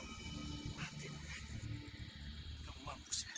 nggak mungkin mati perang itu